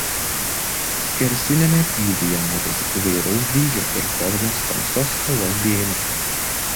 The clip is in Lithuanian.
Skersiniame pjūvyje matosi įvairaus dydžio ir formos tamsios spalvos dėmės.